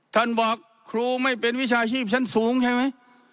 ท่านบอกครูไม่เป็นวิชาชีพชั้นสูงใช่ไหม